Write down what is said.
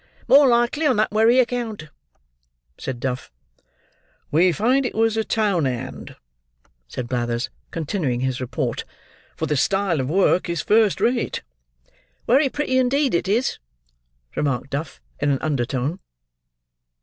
"More likely on that wery account," said Duff. "We find it was a town hand," said Blathers, continuing his report; "for the style of work is first rate." "Wery pretty indeed it is," remarked Duff, in an undertone.